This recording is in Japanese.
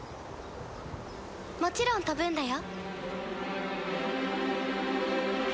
もちろん飛ぶんだよ